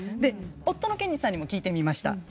夫の謙治さんにも聞いてみました。